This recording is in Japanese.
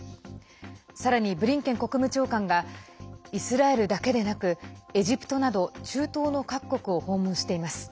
さらに、ブリンケン国務長官がイスラエルだけでなくエジプトなど中東の各国を訪問しています。